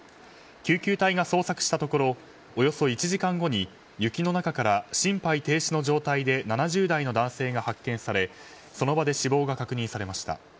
救急隊が捜索したところおよそ１時間後に雪の中から心配停止の状態で７０歳の男性が発見されその場で死亡が確認されました。